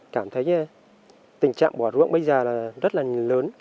cảm thấy tình trạng bỏ ruộng bây giờ là rất là lớn